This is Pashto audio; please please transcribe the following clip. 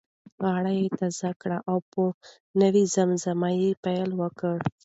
غاړه یې تازه کړه او په زمزمه یې پیل وکړ.